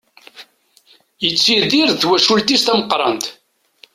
Yettidir d twacult-is tameqqrant.